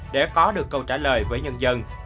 để có được câu trả lời với nhân dân